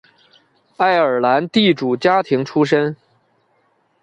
爱尔兰地主家庭出身。